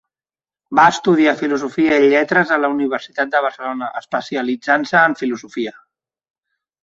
Va estudiar Filosofia i Lletres a la Universitat de Barcelona, especialitzant-se en filosofia.